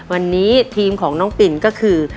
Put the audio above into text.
วันนี้ทีมของน้องปินก็คือ